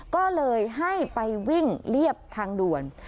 ก็เลยให้ไปวิ่งเรียบทางด่วน